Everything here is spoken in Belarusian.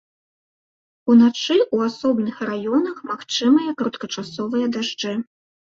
Уначы ў асобных раёнах магчымыя кароткачасовыя дажджы.